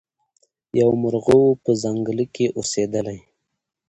یو مرغه وو په ځنګله کي اوسېدلی